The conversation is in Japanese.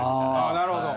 あなるほど。